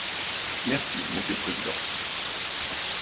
Merci, monsieur le président.